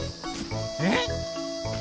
えっ？